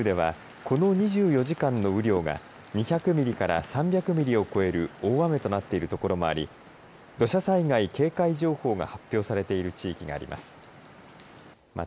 九州ではこの２４時間の雨量が２００ミリから３００ミリを超える大雨となっている所もあり土砂災害警戒情報が発表されている地域があります。